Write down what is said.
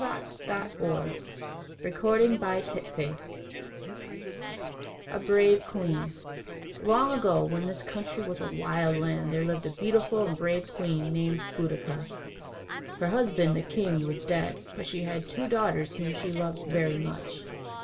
[Illustration: Queen Boadicea] =A Brave Queen= Long ago, when this country was a wild land, there lived a beautiful and brave queen named Boadicea. Her husband, the king, was dead, but she had two daughters whom she loved very much.